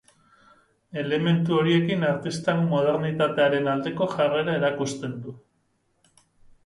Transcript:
Elementu horiekin artistak modernitatearen aldeko jarrera erakusten du.